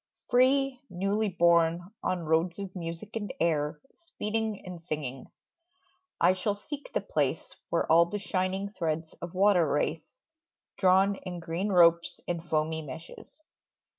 Free, newly born, on roads of music and air Speeding and singing, I shall seek the place Where all the shining threads of water race, Drawn in green ropes and foamy meshes.